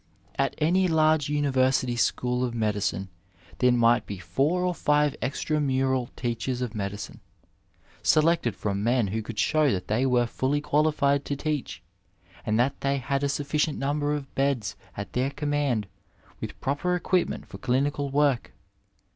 At any large university school of medicine there might be four or five extra mural teachers of medicine, selected from men who could show that they were fully qualified to teach and that they had a sufficient number of beds at their command, with proper equipment for clinical work.